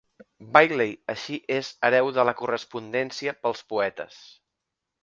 Bailey així és hereu de la correspondència pels poetes.